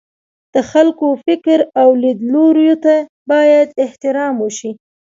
د خلکو فکر او لیدلوریو ته باید احترام وشي.